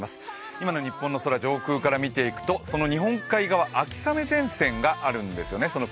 今の日本の空、上空から見ていくと日本海側、秋雨前線があるんですね。